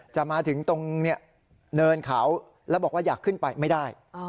จะมาถึงตรงเนินเขาแล้วบอกว่าอยากขึ้นไปไม่ได้